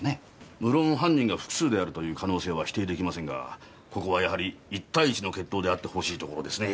むろん犯人が複数であるという可能性は否定できませんがここはやはり１対１の決闘であってほしいところですね。